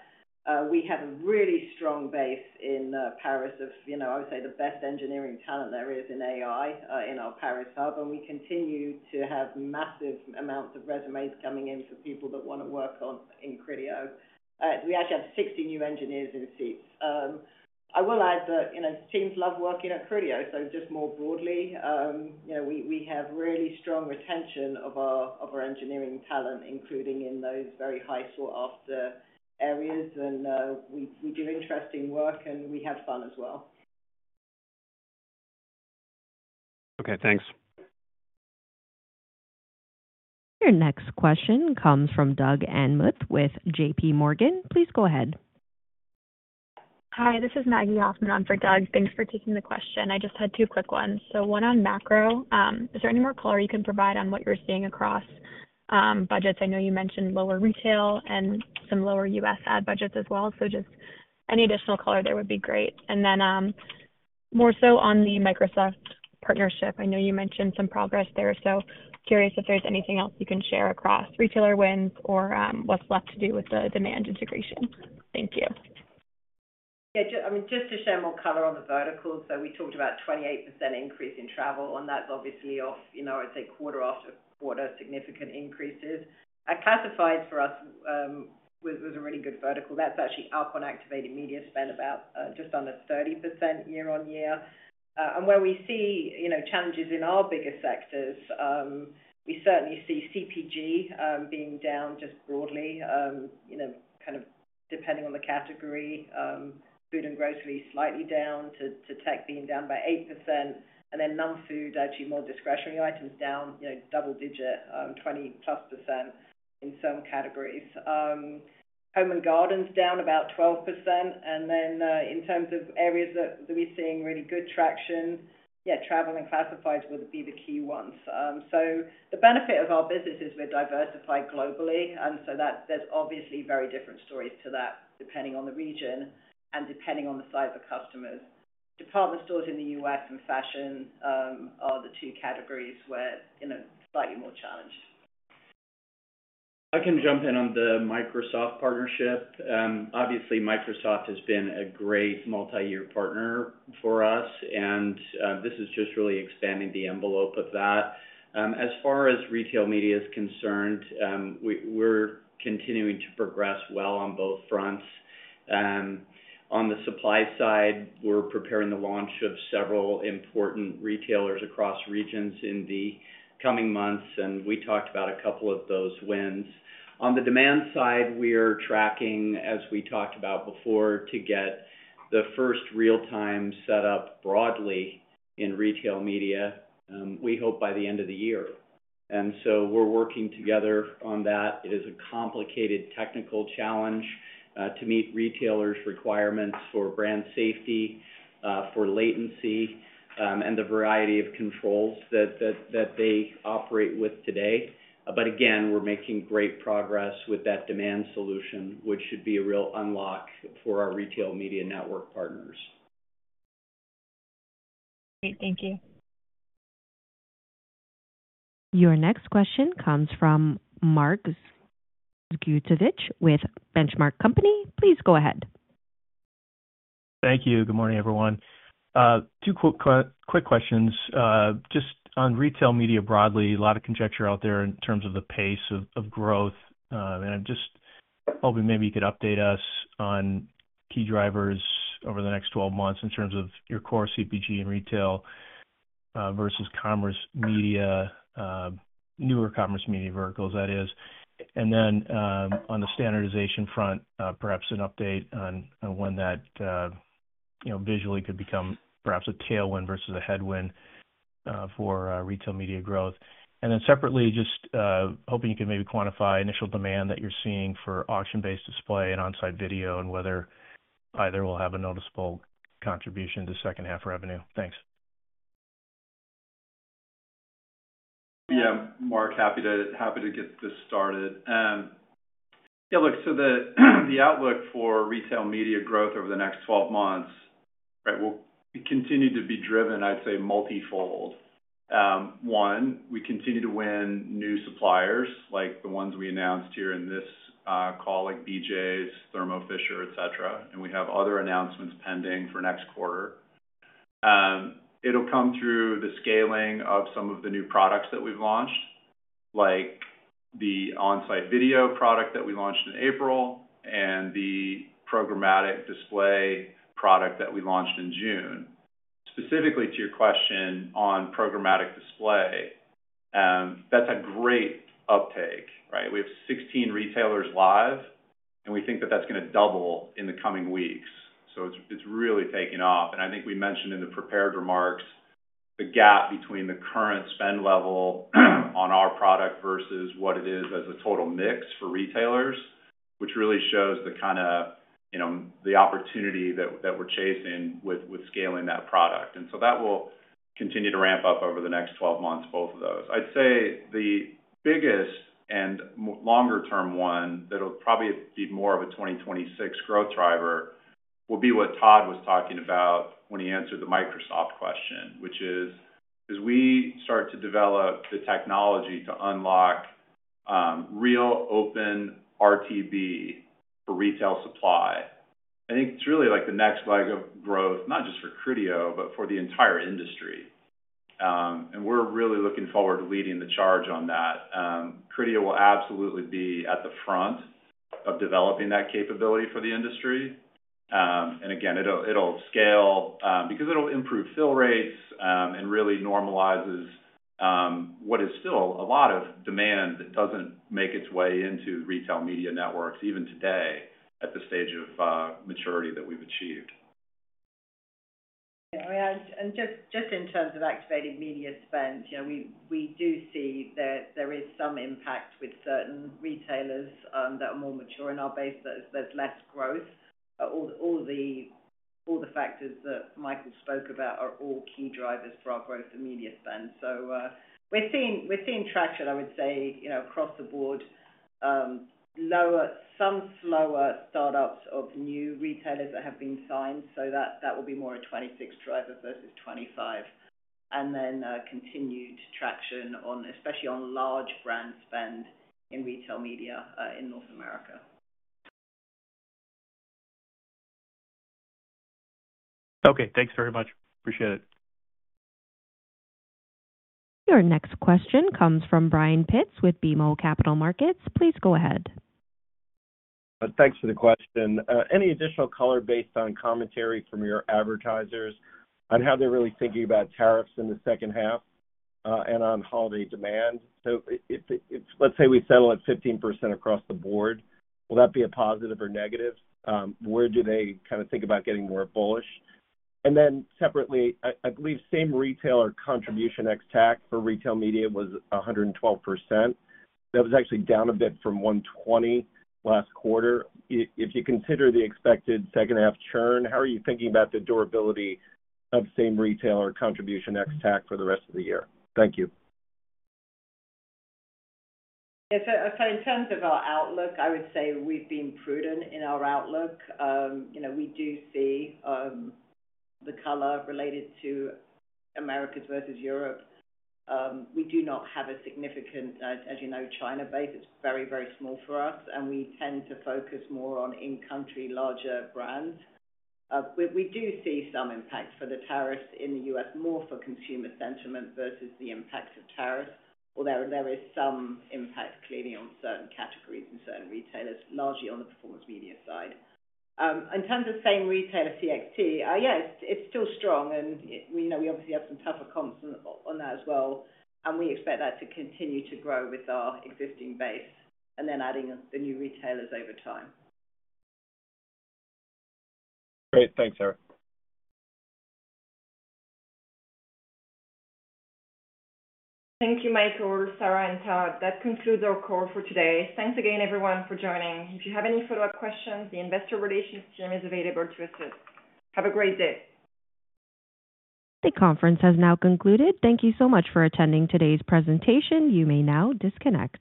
We have a really strong base in Paris of, you know, I would say, the best engineering talent there is in AI in our Paris hub. We continue to have massive amounts of resumes coming in for people that want to work in Criteo. We actually have 60 new engineers in seats. I will add that, you know, teams love working at Criteo. More broadly, we have really strong retention of our engineering talent, including in those very high sought-after areas. We do interesting work, and we have fun as well. Okay, thanks. Your next question comes from Doug Anmuth with JPMorgan. Please go ahead. Hi, this is Maggie Hoffman on for Doug. Thanks for taking the question. I just had two quick ones. One on macro. Is there any more color you can provide on what you're seeing across budgets? I know you mentioned lower retail and some lower U.S. ad budgets as well. Any additional color there would be great. More so on the Microsoft partnership. I know you mentioned some progress there. Curious if there's anything else you can share across retailer wins or what's left to do with the demand integration. Thank you. Yeah, I mean, just to share more color on the vertical. We talked about a 28% increase in travel. That's obviously off, you know, I'd say quarter after quarter, significant increases. Classifieds for us was a really good vertical. That's actually up on activated media spend about just under 30% year on year. Where we see, you know, challenges in our biggest sectors, we certainly see CPG being down just broadly, you know, kind of depending on the category. Food and grocery slightly down to tech being down by 8%. Non-food, actually more discretionary items, down, you know, double digit, 20%+ in some categories. Home and garden's down about 12%. In terms of areas that we're seeing really good traction, travel and classifieds will be the key ones. The benefit of our business is we're diversified globally. There's obviously very different stories to that depending on the region and depending on the size of the customers. Department stores in the U.S. and fashion are the two categories where, you know, slightly more challenged. I can jump in on the Microsoft partnership. Obviously, Microsoft has been a great multi-year partner for us. This is just really expanding the envelope of that. As far as Retail Media is concerned, we're continuing to progress well on both fronts. On the supply side, we're preparing the launch of several important retailers across regions in the coming months. We talked about a couple of those wins. On the demand side, we are tracking, as we talked about before, to get the first real-time setup broadly in Retail Media, we hope by the end of the year. We're working together on that. It is a complicated technical challenge to meet retailers' requirements for brand safety, for latency, and the variety of controls that they operate with today. We're making great progress with that demand solution, which should be a real unlock for our Retail Media network partners. Thank you. Your next question comes from Mark Zgutowicz with Benchmark Company. Please go ahead. Thank you. Good morning, everyone. Two quick questions. Just on Retail Media broadly, a lot of conjecture out there in terms of the pace of growth. I'm just hoping maybe you could update us on key drivers over the next 12 months in terms of your core CPG in retail versus commerce media, newer commerce media verticals, that is. On the standardization front, perhaps an update on when that, you know, visually could become perhaps a tailwind versus a headwind for Retail Media growth. Separately, just hoping you could maybe quantify initial demand that you're seeing for Auction-Based Display and on-site video and whether either will have a noticeable contribution to second half revenue. Thanks. Yeah, Mark, happy to get this started. Look, the outlook for Retail Media growth over the next 12 months will continue to be driven, I'd say, multifold. One, we continue to win new suppliers like the ones we announced here in this call, like BJ's, Thermo Fisher, etc. We have other announcements pending for next quarter. It'll come through the scaling of some of the new products that we've launched, like the on-site video product that we launched in April and the programmatic display product that we launched in June. Specifically to your question on programmatic display, that's a great uptake, right? We have 16 retailers live, and we think that that's going to double in the coming weeks. It's really taking off. I think we mentioned in the prepared remarks the gap between the current spend level on our product versus what it is as a total mix for retailers, which really shows the kind of opportunity that we're chasing with scaling that product. That will continue to ramp up over the next 12 months, both of those. I'd say the biggest and longer-term one that'll probably be more of a 2026 growth driver will be what Todd was talking about when he answered the Microsoft question, which is, as we start to develop the technology to unlock real open RTB for retail supply, I think it's really like the next leg of growth, not just for Criteo, but for the entire industry. We're really looking forward to leading the charge on that. Criteo will absolutely be at the front of developing that capability for the industry. It will scale because it'll improve fill rates and really normalizes what is still a lot of demand that doesn't make its way into Retail Media networks, even today at the stage of maturity that we've achieved. Yeah, I mean, in terms of activated media spend, we do see that there is some impact with certain retailers that are more mature in our base, that there's less growth. All the factors that Michael spoke about are all key drivers for our growth in media spend. We're seeing traction, I would say, across the board, some slower startups of new retailers that have been signed. That will be more a 2026 driver versus 2025. Continued traction, especially on large brand spend in Retail Media in North America. Okay, thanks very much. Appreciate it. Your next question comes from Brian Pitz with BMO Capital Markets. Please go ahead. Thanks for the question. Any additional color based on commentary from your advertisers on how they're really thinking about tariffs in the second half and on holiday demand? Let's say we settle at 15% across the board. Will that be a positive or negative? Where do they kind of think about getting more bullish? Separately, I believe same retailer Contribution ex-TAC for Retail Media was 112%. That was actually down a bit from 120% last quarter. If you consider the expected second half churn, how are you thinking about the durability of same retailer Contribution ex-TAC for the rest of the year? Thank you. Yeah, in terms of our outlook, I would say we've been prudent in our outlook. You know, we do see the color related to Americas versus Europe. We do not have a significant, as you know, China base. It's very, very small for us. We tend to focus more on in-country larger brands. We do see some impact for the tariffs in the U.S., more for consumer sentiment versus the impact of tariffs. Although there is some impact clearly on certain categories and certain retailers, largely on the Performance Media side. In terms of same retailer CXT, yeah, it's still strong. We obviously have some tougher comps on that as well. We expect that to continue to grow with our existing base and then adding the new retailers over time. Great. Thanks, Sarah. Thank you, Michael, Sarah, and Todd. That concludes our call for today. Thanks again, everyone, for joining. If you have any follow-up questions, the Investor Relations team is available to assist. Have a great day. The conference has now concluded. Thank you so much for attending today's presentation. You may now disconnect.